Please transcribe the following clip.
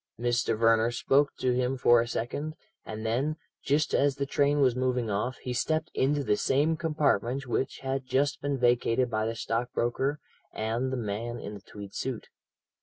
Mr. Verner spoke to him for a second, and then, just as the train was moving off, he stepped into the same compartment which had just been vacated by the stockbroker and the man in the tweed suit.